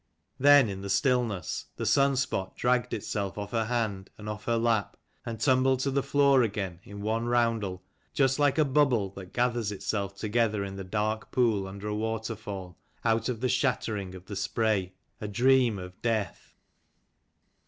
Then in the stillness the sun spot dragged itself off her hand and off her lap, and tumbled to the floor again in one roundel, just like a bubble that gathers itself together in the dark pool under a waterfall, out of the shattering of the spray : a dream of death.